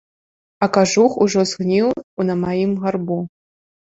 А кажух ужо згніў на маім гарбу.